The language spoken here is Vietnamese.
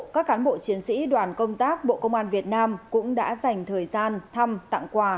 các cán bộ chiến sĩ đoàn công tác bộ công an việt nam cũng đã dành thời gian thăm tặng quà